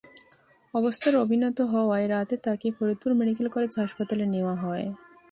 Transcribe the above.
অবস্থার অবনতি হওয়ায় রাতে তাঁকে ফরিদপুর মেডিকেল কলেজ হাসপাতালে নেওয়া হয়।